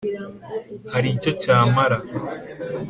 Hari icyo cyamara?